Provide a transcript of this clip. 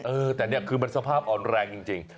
เออแต่นี่คือมันสภาพอ่อนแรงจริง